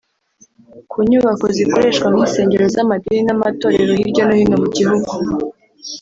ku nyubako zikoreshwa nk'insengero z'amadini n'amatorero hirya no hino mu gihugu